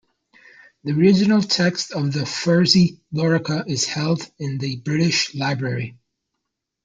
The original text of the Fursey Lorica is held in the British Library.